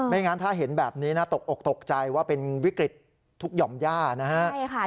งั้นถ้าเห็นแบบนี้นะตกอกตกใจว่าเป็นวิกฤตทุกหย่อมย่านะฮะ